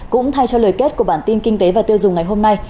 cũng thay cho lời kết của bản tin kinh tế và tiêu dùng ngày hôm nay